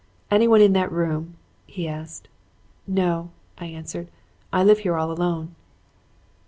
"'Anyone in that room?' he asked. "'No,' I answered, 'I live here all alone.'